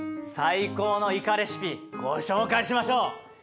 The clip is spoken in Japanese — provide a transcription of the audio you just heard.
最高のイカレシピご紹介しましょう！